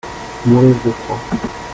Mourir de froid.